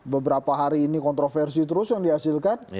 beberapa hari ini kontroversi terus yang dihasilkan